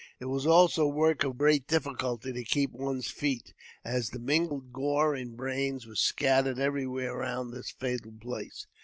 It was also a work of great difficulty to keep one's feet, as the mingled gore and brains were scattered everywhere round this fatal place.